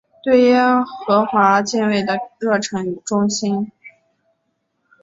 对耶和华敬畏的热诚与忠心。